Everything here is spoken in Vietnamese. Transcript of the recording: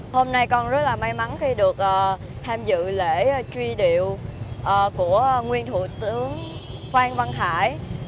hôm nay con rất là may mắn khi được tham dự lễ truy điệu của nguyên thủ tướng phan văn hải